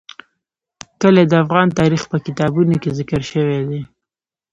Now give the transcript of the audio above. کلي د افغان تاریخ په کتابونو کې ذکر شوی دي.